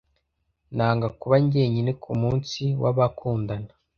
Nanga kuba njyenyine kumunsi w'abakundana.